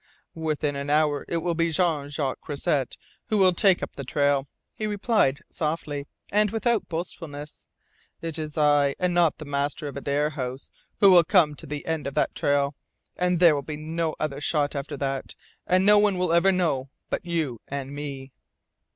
"Within an hour it will be Jean Jacques Croisset who will take up the trail," he replied softly, and without boastfulness. "It is I, and not the master of Adare House, who will come to the end of that trail. And there will be no other shot after that, and no one will ever know but you and me."